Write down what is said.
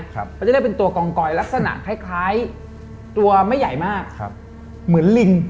เขาจะได้เป็นตัวกองกอยลักษณะคล้ายตัวไม่ใหญ่มากเหมือนลิง